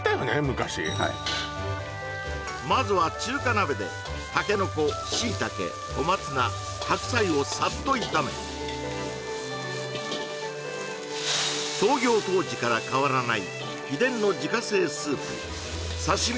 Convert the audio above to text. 昔はいまずは中華鍋でたけのこ椎茸小松菜白菜をさっと炒め創業当時から変わらない秘伝の自家製スープ刺身